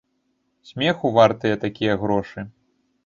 Смеху вартыя такія грошы.